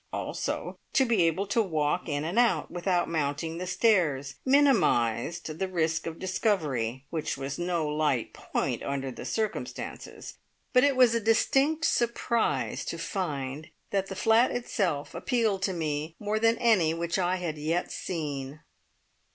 Also, to be able to walk in and out, without mounting the stairs, minimised the risk of discovery, which was no light point under the circumstances, but it was a distinct surprise to find that the flat itself appealed to me more than any which I had yet seen.